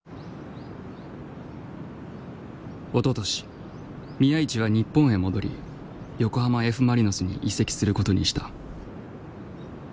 おととし宮市は日本へ戻り横浜Ｆ・マリノスに移籍することにした。